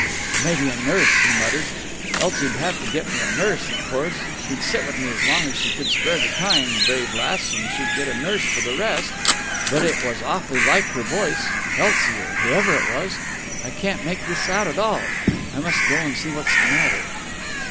"It may be a nurse," he muttered; "Elsie'd have to get me a nurse, of course. She'd sit with me as long as she could spare the time, brave lass, and she'd get a nurse for the rest.... But it was awfully like her voice.... Elsie, or whoever it is!... I can't make this out at all. I must go and see what's the matter...."